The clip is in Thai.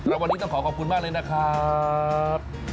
แล้ววันนี้ต้องขอขอบคุณมากเลยนะครับ